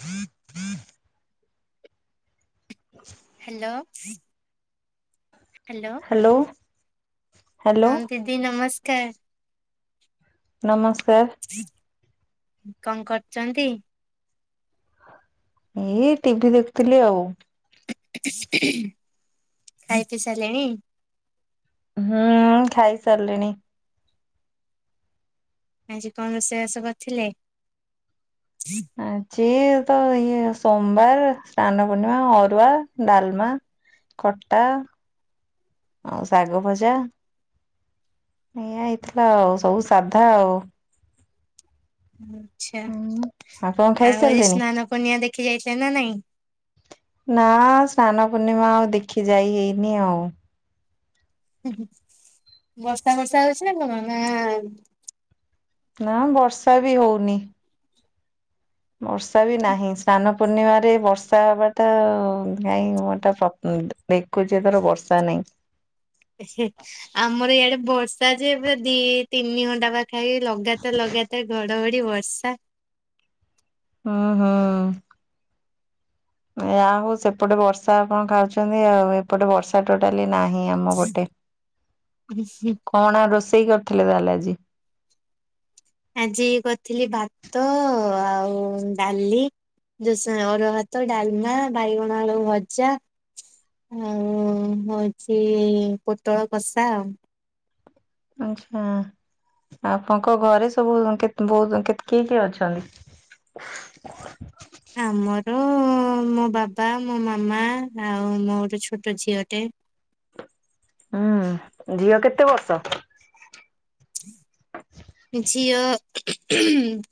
ହୁ ହୁ hello hello hello hello ହଁ ଦିଦି ନମସ୍କାର ନମସ୍କାର କଣ କରୁଛନ୍ତି ଏଇ ଟିଭି ଦେଖୁଥିଲି ଆଉ ଖାଇ ପିଇ ସାଇଲେଣି ହୁଁ ଖାଇ ସାରିଲିଣି ଆଜି କଣ ରୋଷେଇବାସ କରିଥିଲେ ଆଜି ତ ଇଏ ସୋମବାର ସ୍ନାନ ପୂର୍ଣ୍ଣିମା ଅରୁଆ ଡାଲମା ଖଟା ଆଉ ଶାଗ ଭଜା ଏଇଆ ହେଇଥିଲା ଆଉ ସବୁ ସାଧା ଆଉ ଆଚ୍ଛା ହୁଁ ଆପଣ ଆଉ ଆଜି ଖାଇସାରିଲେଣି? ସ୍ନାନ ପୂର୍ଣ୍ଣିମା ଦେଖି ଯାଇଥିଲେ ନା ନାଇଁ ନା ସ୍ନାନ ପୂର୍ଣ୍ଣିମା ଆଉ ଦେଖି ଯାଇ ହେଇନି ଆଉ ବର୍ଷା ବର୍ଷା ହେଉଛି ନା କଣ ନା ନା ବର୍ଷା ବି ହେଉନି ବର୍ଷା ବି ନାହିଁ ସ୍ନାନ ପୂର୍ଣ୍ଣିମାରେ ବର୍ଷା ହବାଟା କାଇଁ ଦେଖୁଛି ଏଥର ବର୍ଷା ନାହିଁ ଆମର ଇଆଡ଼େ ବର୍ଷା ଯେ ଦି ତିନି ଘଣ୍ଟା ପାଖାପାଖି ଲଗାତର ଲଗାତାର ଘଡ଼ଘଡ଼ି ବର୍ଷା ହଁ ହଁ ଯାହା ହଉ ସେପଟେ ବର୍ଷା ଆପଣ ଖାଉଛନ୍ତି ଆଉ ଏପଟେ ବର୍ଷା ଟୋଟାଲି ନାହିଁ ଆମ ପଟେ କଣ ରୋଷେଇ କରିଥିଲେ ତାହେଲେ ଆଜି ଆଜି କରିଥିଲି ଭାତ ଆଉ ଡାଲି ଯୋଉ ସେ ଅରୁଆ ଭାତ ଡାଲମା ବାଇଗଣ ଆଳୁ ଭଜା ହୁ ହେଉଛି ପୋଟଳ କଷା ଆଉ ଆଚ୍ଛା ଆପଣଙ୍କ ଘରେ ସବୁ କେତେ ବହୁତ କେତେ କିଏ କିଏ ଅଛନ୍ତି ଆମର ମୋ ବାବା ମୋ ମାମା ଆଉ ମୋ ଗୋଟେ ଛୋଟ ଝିଅଟେ ହୁଁ ଝିଅ କେତେ ବର୍ଷ ଝିଅ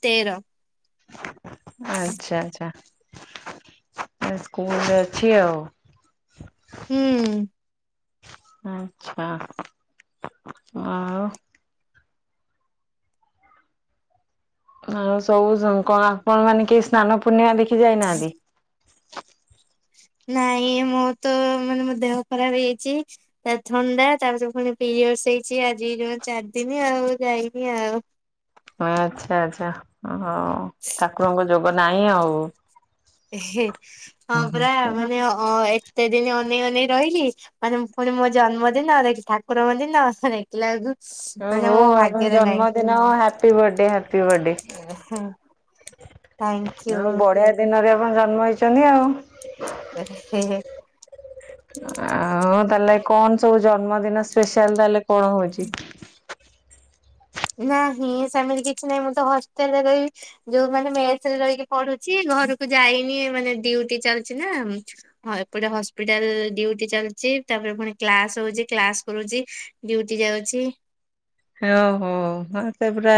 ତେର ଆଚ୍ଛା ଆଚ୍ଛା ସେ ସ୍କୁଲରେ ଅଛି ଆଉ ହୁଁ ଆଚ୍ଛା ଆଉ ଆଉ ସବୁ କଣ ଆପଣ ମାନେ କେହି ସ୍ନାନ ପୂର୍ଣ୍ଣିମା ଦେଖି ଯାଇନାହାନ୍ତି ନାଇଁ ମୋ ତ ମାନେ ମୋ ଦେହ ଖରାପ ହେଇଛି। ତା ଥଣ୍ଡା ତାପ ପୁଣି ପିରିୟଡସ ହେଇଛି ଆଜି ଜଣ ଚାରିଦିନ ଆଉ ଯାଇନି ଆଉ। ହଁ ଆଚ୍ଛା ଆଚ୍ଛା ହଁ ଠାକୁରଙ୍କ ଯୋଗ ନାହିଁ ଆଉ। ହଁ ପରା ନା ମାନେ ଅ ଏତେ ଦିନ ଅନେଇକି ଅନେଇ ରହିଲି। ମାନେ ମୁଁ ପୁଣି ମୋ ଜନ୍ମଦିନରେ ଠାକୁରଙ୍କ ଦିନ ସ ଦେଖିଲା ବେଳକୁ ମାନେ ଓହୋ ମୋ ଆପଣ ଭାଗ୍ୟରେ ଜନ୍ମଦିନ ହାପି ବର୍ଥଡେ ହାପି ବର୍ଥଡେ। ନାହିଁ। Thank you. ଆଉ ବଢିଆ ଦିନରେ ଆପଣ ଜନ୍ମ ହେଇଛନ୍ତି ଆଉ। ହେଁ ହେଁ। ଆଉ ତାହେଲେ କଣ ସବୁ ଜନ୍ମଦିନ ସ୍ପେଶାଲ ତାହେଲେ କଣ ହଉଛି? ନାହିଁ ସେମିତି କିଛି ନାହିଁ ମୁଁ ତ ହଷ୍ଟେଲରେ ରହିବି। ଯୋଉ ମାନେ ମେସରେ ରହିକି ପଢୁଛି ଘରକୁ ଯାଇନି ମାନେ ଡ୍ୟୁଟି ଚାଲଛି ନା। ହଁ ଏପଟେ ହସ୍ପିଟାଲ ଡ୍ୟୁଟି ଚାଲଛି ତାପରେ ପୁଣି କ୍ଲାସ ହଉଛି କ୍ଲାସ କରୁଛି। ଡ୍ୟୁଟି ଯାଉଛି। ହଁ ହୋ ମତେ ପୁରା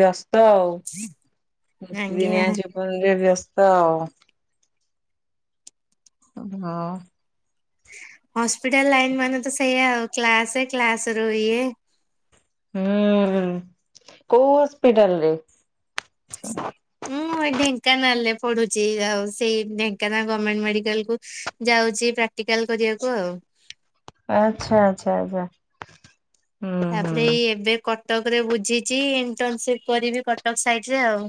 ବ୍ୟସ୍ତ ଆଉତି ଆଜ୍ଞା। ଦିନିଆ ଯ [unintelligible] ବ୍ୟସ୍ତ ଆଉ। ହଁ। ହସ୍ପିଟାଲ ଲାଇନ ମାନେ ତ ସେଇଆ ଆଉ କ୍ଲାସ କ୍ଲାସ ରୁ ଇଏ। ହୁଁ ହୁଁ କୋଉ ହସ୍ପିଟାଲ ରେ? ହଁ। ହଁ ଢେଙ୍କାନାଳରେ ପଡୁଛି ଆଉ ସେଇ ଢେଙ୍କାନାଳ ଗମେଣ୍ଟ ମେଡିକାଲ କୁ ଯାଉଛି। ପ୍ରା ଟିକାଲ ଯିବାକୁ ଆଉ। ଆଚ୍ଛା ଆଚ୍ଛା ଆଚ୍ଛା। ହୁଁ ତାପରେ ହୁଁ ଏଇ ଏବେ କଟକରେ ବୁଝିଛି ଇଣ୍ଟର୍ନସିପ କରିବି କଟକ ସାଇଡରେ ଆଉ।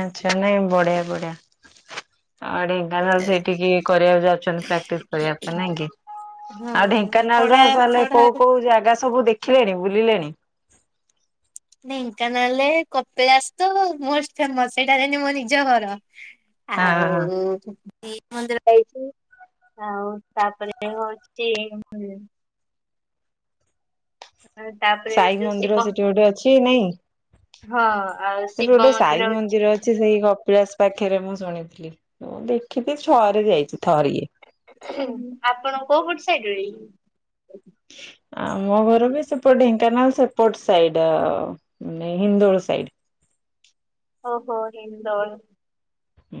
ଆଚ୍ଛା ନାଇ ବଢିଆ ବଢିଆ। ହଁ ଢେଙ୍କାନାଳ ସେଇଠିକି କରିବାକୁ ଯାଉଛନ୍ତି ପ୍ରାକ୍ଟିସ କରିବା ପାଇଁ ନାଇଁ କି? ଆଉ ହଁ ଢେଙ୍କାନାଳ ପଢା ର [unintelligible] ମାନେ ପଢା କୋଉ କୋଉ ଜାଗା ସବୁ ଦେଖିଲେଣି ବୁଲିଲେଣି। ନାଇଁ ଢେଙ୍କାନାଳଲେ କପିଳାସ ତ ମୋଷ୍ଟ ଫେମସ ସେଇଟା ହେଲାନି ମୋ ନିଜ ଘର। ଆଉ ହଁ ଏ ମନ୍ଦିର ଖାଇଛି ଆଉ ତାପରେ ହଉଛି। ତାପରେ ସାଇ ଯୋଉ ମନ୍ଦିର ଶିବ ସେଠି ଗୋଟେ ଅଛି ନାଇଁ। ହଁ ଆ ସେଠୁ ଗୋଟେ ସାଇ ମନ୍ଦିର ଅଛି ସେଇ ଗ କପିଳାସ ପାଖରେ ମୁଁ ଶୁଣିଥିଲି ମୁଁ ଦେଖିଛିି ଥରେ ଯାଇଛି ଥରିଏ। ହୁ ଆପଣ କୋଉ ପଟ ସାଇଡରେ? ଆ ମୋ ଘର ବି ସେପଟ ଢେଙ୍କାନାଳ ସେପଟ ସାଇଡ ଆ ନେ ହିନ୍ଦୋଳ ସାଇଡ। ଓହୋ ହିନ୍ଦଳ। ହୁଁ।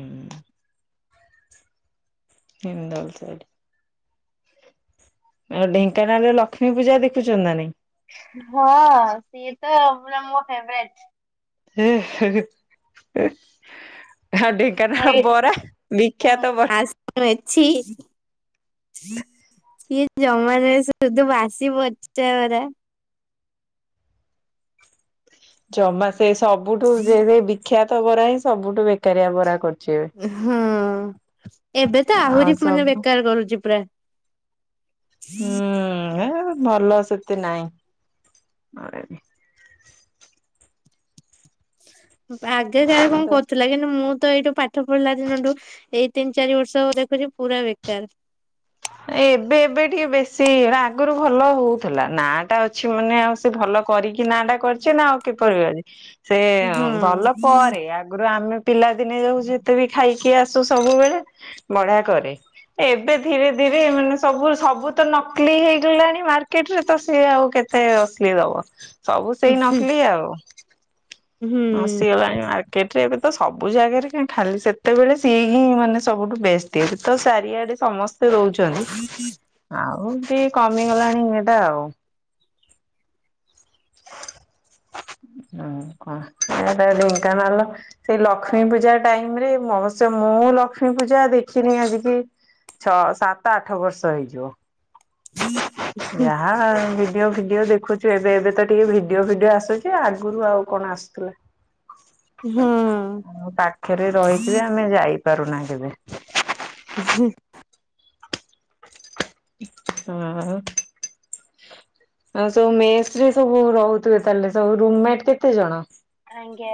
ହିନ୍ଦଳ ସାଇଡ଼। ଆଉ ଢେଙ୍କାନାଳରେ ଲକ୍ଷ୍ମୀ ପୂଜା ଦେଖୁଛନ୍ତି ନା ନାଇଁ? ହଁ ସିଏ ତ ପୁରା ମୋ ଫେବରାଇଟ। [unintelligible] ଆଉ ଢ଼େ ଙ୍କାନାଳ ବରା ବିଖ୍ୟାତ ବର ମେଛିି। ସିଏ ଜମାରେ ସୁଧୁ ବାସି ପଚରା। ଜମା ସେ ସବୁଠୁ ସେ ବିଖ୍ୟାତ ବରା ହିଁ ସବୁଠୁ ବେକାରିଆ ବରା କରୁଛି। ହଁ ଏବେ ତ ଆଉ ଆହୁରି ମାନେ ସବୁ ବେକାର କରୁଛି ପ୍ରାୟ। ହୁଁ ହେ ଭଲ ସେତେ ନାଇଁ। ଆଗେ ତାର କଣ କରୁଥିଲା କିନ୍ତୁ ମୁଁ ତ ଏଇଠୁ ପା ପାଠ ପଢିଲା ଦିନଠୁ ଏଇ ତିନି ଚାରି ବର୍ଷ ଦେଖୁଛ ପୁରା ବେକାର ଏବେ ଏବେ ଟିକେ ବେଶୀ ଆଗରୁ ଭଲ ହଉଥିଲା ନା ଟା ଅଛି ମାନେ ଆଉ ସେ ଭଲ କରିକି ନା ଟା କରିଛି ନା ଆଉ କିପରି ସେ ହଁ ଭଲ ପରେ ଆଗରୁ ଆମେ ପିଲା ଦିନେ ଯାଉ ଯେତେ ବି ଖାଇକି ଆସୁ ସବୁବେଳେ ବଢିଆ କରେ ଏବେ ଧୀରେ ଧୀରେ ମାନେ ସବୁ ସବୁ ତ ନକଲି ହେଇଗଲାଣି ମାର୍କେଟରେ ତ ସିଏ ଆଉ କେତେ ଏତେ ଅସଲି ଦବ ସବୁ ସେଇ ନକଲି ଆଉ ହୁଁ ହୁଁ। ଆସିଗଲାଣି ମାକ୍ଟେ ଏବେ ତ ସବୁ ଜାଗାରେ କାହିଁ ଖାଲି ସେତେବେଳେ ସିଏ ହିଁ ମାନେ ସବୁଠୁ ବେଷ୍ଟ ଏଵେ ତ ସାରିଆଡେ ସମସ୍ତେ ରହୁଛି ଆଉ ଟିକେ କମିଗଲାଣି ଏଇଟା ଆଉ ଆଉ କଣ ଏଇଟା ଡେଙ୍କାନାଳ ସେଇ ଲକ୍ଷ୍ମୀ ପୂଜା ଟାଇମ ରେ ମହାତ୍ସବ ମୁଁ ଲକ୍ଷ୍ମୀ ପୂଜା ଦେଖିନି ଆଜି କି ଛଅ ସାତ ଆଠ ବର୍ଷ ହେଇଯିବ ହୁଁ ଯାହା ଭିଡିଓ ଭିଡିଓ ଦେଖୁଛୁ ଏବେ ଏବେ ତ ଟିକେ ଭିଡିଓ ଭିଡିଓ ଆସୁଛି ଆଗରୁ ଆଉ କଣ ଆସୁଥିଲା ହଁ। ଆଉ ପାଖରେ ରହିକି ଵି ଆମେ ଯାଇପାରୁନା କେବେ ହୁଁ ହଁ ଆଉ ସବୁ ମେସରେ ସବୁ ରହୁଥିବ ତାହେଲେ ସବୁ ରୁମମେଟ କେତେ ଜଣ ଆଜ୍ଞା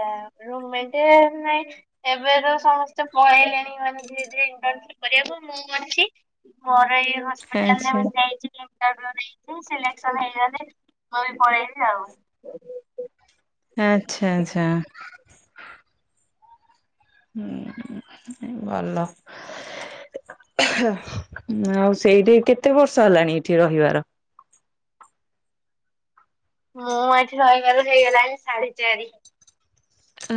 ରୁମ ମେଟ ନାଇଁ ଏବେ ତ ସମସ୍ତେ ପଳେଇଲେଣି ମାନ ଧୀରେ ଧୀରେ ଇଣ୍ଟସି କରିବାକୁ ମୁଁ ଅଛି ମୋର ଏଇ ହସ୍ପିଟାଲରେ ଆଚ୍ଛା ମୁଁ ଯାଇଥିଲ ନେଇ ସିଲେସ ହେଇଗ ମୁଁ ବି ପଳେଇଲିି ଆଉ [inaudible] ଆଚ୍ଛା ଆଚ୍ଛା ହୁଁ ଭଲ ଆଉ ସେଇଠି କେତେ ବର୍ଷ ହେଲାଣି ଏଇଠି ରହିବାର ମୁଁ ଏଠି ରହିବାର ହେଇଗଲାଣି ସାଢେ ଚାରି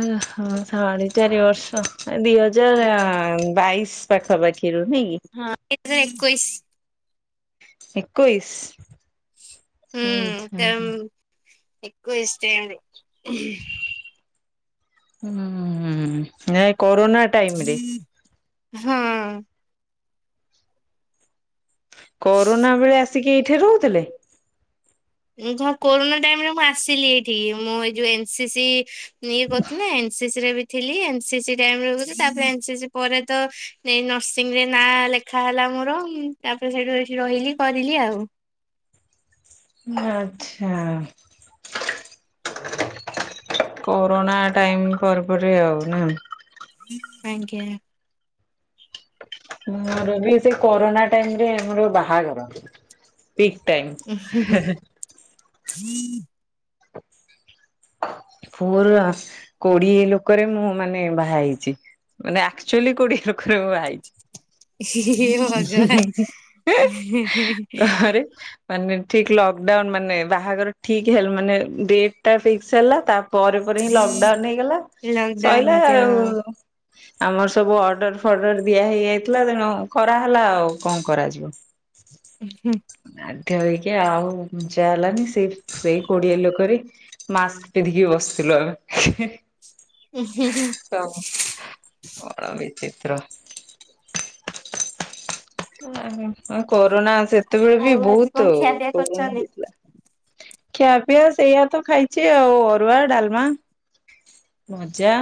ଓ ହୋ ସାଢ଼େ ଚାରି ବର୍ଷ ଦି ହଜାର ଆଜ୍ଞା। ବାଇଶି ପାଖାପାଖିରୁ ନାଇଁ କି ହଁ ଏକ [inaudible] ହଜାର ଏକୋଇଶି ଏକୋଇଶି ହୁଁ ତା ଏକୋଇଶି ରେ ହୁଁ ନାଇଁ କରୋନା ଟାଇମ ରେ ହଁ କରୋନା ବେଳେ ଆସିକି ଏଇଠି ରହୁଥିଲେ ମୁଁ ଯା କୋରୋନା ଟାଇମରେ ମୁଁ ଆସିଲି ଏଇଠିକି ମୁଁ ଏଇ ଯୋଉ ଏନସି ସି ଇଏ କରୁଥିଲେ ଏନ୍ସି ସି ରେ ବି ଥିଲି ଏନ୍ସୀ ସି ଟାଇମ ତାପ ଏନ୍ସୀ ସି ପରେ ତ ନର୍ସିଂ ରେ ନାଁ ଲ ଦେଖା ହେଲା ମୋର ତାପରେ ସେଇଠୁ ଏଠି ରହିଲି କରିଲି ଆଉ। ଆଛା କୋରୋନା ଟାଇମ ପରେ ପରେ ଆଉ ନା। ଆଜ୍ଞା ମୋରବି ସେ କରୋନା ଟାଇମରେ ଆମର ବାହାଘର। ପିକ୍ ଟାଇମ୍ ହେ ହେ। ହୁଁ ପୁଅର କୋଡିଏ ଲୋକରେ ମୁଁ ମାନେ ବାହା ହେଇଛି। ମାନେ ଆଚୁଆଲି କୋଡିଏ ଲୋକରେ ମୁଁ ବାହା ହେଇଚି। ହି ହିହି ଭଗବାନ ହେଁ। ଘରେ ମାନେ ଠିକ ଲକଡାଉନ ମାନେ ବାହାଘର ଠିକ ହେଲା ମାନେ ଡେଟ ଟା ଫିକ୍ସ ହେଲା ତା ପରେ ପରେ ହିଁ ଲକଡାଉନ ହେଇଗଲା ଭଗବାନ ଲକଡାଉନ ସଇଲା ଅଛି ଆଉ। ହଁ। ଆମର ସବୁ ଅର୍ଡର ଫର୍ଡର ଦିଆ ହେଇଯାଇଥିଲା ତେଣୁ କରାହେଲା ଆଉ କଣ କରାଯିବ। ହୁଁ ବାଧ୍ୟ ହେଇକି ଆଉ ଘୁଞ୍ଚା ହେଲାନି ସେ ସେଇ କୋଡିଆ ଲୋକରେ ମାସ୍କ ପିନ୍ଧିକି ବସିଥିଲୁ ଆମେ ହେ ହେ। ହୁଁ ହୁଁ ହୁଁ ତ ବଡ ବିଚିତ୍ର। ନାହିଁ କରୋନା ସେତେବେଳେ ବି ଆଉ ଆଜି କଣ ବହୁତ ଖିଆ ପିଆ ପ୍ରୋବ୍ଲେମ କରିଛନ୍ତି? ହେଇଥିଲା। ଖିଆପିଆ ସେଇଆ ତ ଖାଇଛି ଆଉ ଅରୁଆ ଡାଲମା ଭଜା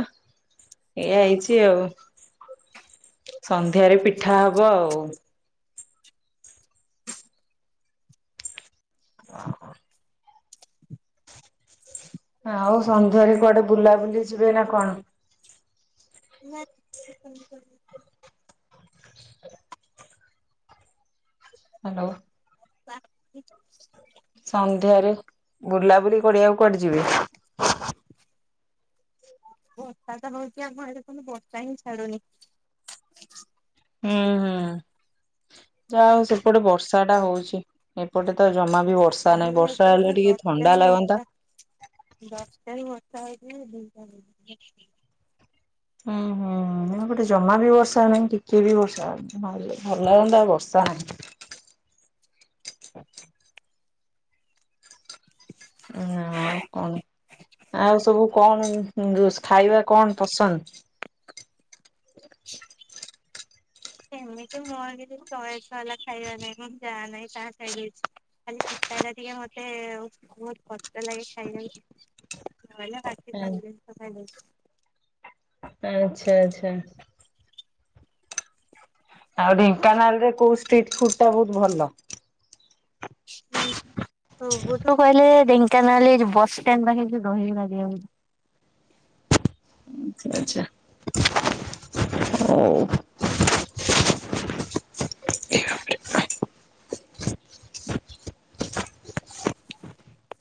ଏଇଆ ହେଇଛି ଆଉ। ସନ୍ଧ୍ୟାରେ ପିଠା ହବ ଆଉ। ଓ ହୋ। ଆଉ ସନ୍ଧ୍ୟାରେ କୁଆଡେ ବୁଲାବୁଲି ଯିବେ ନା କଣ? ନା ଯିବିନି କୁଆଡେ। ହାଲୋ [unintelligible] ସନ୍ଧ୍ୟାରେ ବୁଲାବୁଲି କଡିଆକୁ କୁଆଡେ ଯିବେ। ବର୍ଷା ତ ହଉଛି ଆମ ଆଡେ କନ୍ତୁ ବର୍ଷା ହିଁ ଛାଡୁନି। ହୁଁ ହୁଁ। ଯା ହଉ ସେପଟେ ବର୍ଷା ଟା ହଉଛି ଏପଟେ ତ ଜମା ବି ବର୍ଷ ର୍ଷା ଆଜି ନାହିଁ ବର୍ଷା ହେଲେ ଟିକେ ଥଣ୍ଡା ଲାଗନ୍ତା। ଦଶ ତାରିଖ ବର୍ଷା ହେଉଛି ଯେ ଦିଇ ତାରିଖ ହୁଁ ହୁଁ ଗୋଟେ ଜମା ବି ବର୍ଷା ହଉନହିଁ ଟିକେ ବି ବର୍ଷା ହଉନି। ଭଲ ଲାଗନ୍ତା ବଷା ହେନେ। ମୁଁ କହିନି ଆଉ କଣ ଆଉ ସବୁ କଣ ଖାଇବା କଣ ପସନ୍ଦ। ସେମିତି ମୋ ଆଉ କିଛି ଚଏସ ବାଲା ଖାଇବା ନାଇଁ ମୁଁ ଯାହା ନାହିଁ ତାହା ଖାଇଦେବି। ଖାଲି ପିତା ଟା ଟିକେ ମତେ ବହୁତ କଷ୍ଟ ଲାଗେ ଖାଇବାକୁ। [unintelligible] ଆଚ୍ଛା ଆଚ୍ଛା। ଆଉ ଢେଙ୍କାନାଳ ରେ କୋଉ ଷ୍ଟ୍ରିଟ୍ ଫୁଡ ଟା ବହୁତ ଭଲ। ଟୁ ଗୋଠୁ କହିଲେ ଢେଙ୍କାନାଲେ ଯୋଉ ବସଷ୍ଟାଣ୍ଡ ପାଖରେ ଯୋଉ ଦହି ବରା ଦିଆହଉଛି। ଆଚ୍ଛା ହଉ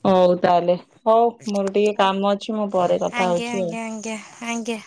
ହଉ ତାହେଲେ ହଉ ମୋର ଟିକେ କାମ ଅଛି ମୁଁ ପରେ କଥା ଆଜ୍ଞା ହଉଛି ଆଉ। ଆଜ୍ଞା ଆଜ୍ଞା ଆଜ୍ଞା